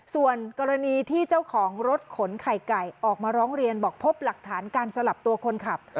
ส่วนกรณีที่เจ้าของรถขนไข่ไก่ออกมาร้องเรียนบอกพบหลักฐานการสลับตัวคนขับ